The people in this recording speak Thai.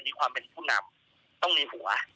ความเป็นผู้นำต้องมีหัว